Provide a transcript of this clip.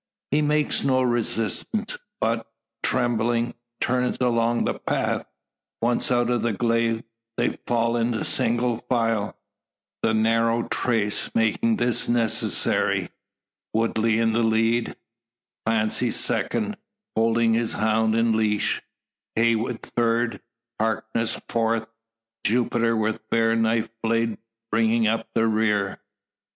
He makes no resistance, but, trembling, turns along the path. Once out of the glade, they fall into single file, the narrow trace making this necessary; Woodley in the lead; Clancy second, holding his hound in leash; Heywood third; Harkness fourth; Jupiter with bared knife blade bringing up the rear.